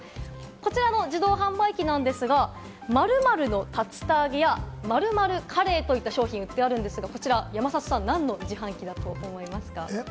こちらの自動販売機なんですが、〇〇の竜田揚げや、〇〇カレーといった商品が売っているんですが、何の自販機だと思いますか？